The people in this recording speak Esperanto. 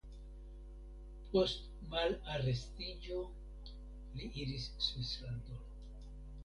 Post malarestiĝo li iris Svislandon.